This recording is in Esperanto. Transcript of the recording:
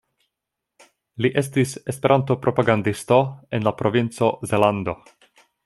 Li estis Esperanto-propagandisto en la provinco Zelando.